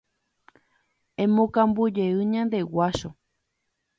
Emokambujey ñande guácho